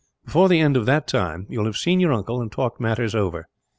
Before the end of that time you will have seen your uncle, and talked matters over.